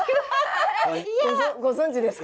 ご存じですか？